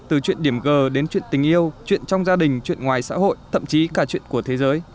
từ chuyện điểm g đến chuyện tình yêu chuyện trong gia đình chuyện ngoài xã hội thậm chí cả chuyện của thế giới